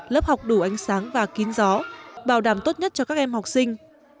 lớp học đủ ánh sáng và kín gió bảo đảm tốt nhất cho các em học sinh